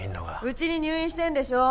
うちに入院してるんでしょ。